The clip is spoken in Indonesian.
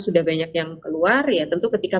sudah banyak yang keluar ya tentu ketika